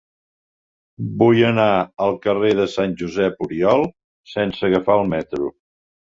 Vull anar al carrer de Sant Josep Oriol sense agafar el metro.